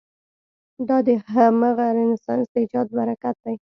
دا د همغه رنسانس د ایجاد براکت دی.